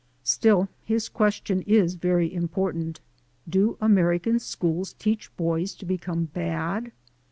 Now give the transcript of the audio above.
Still his question is very important: "Do Amer ican schools teach boys to become bad?"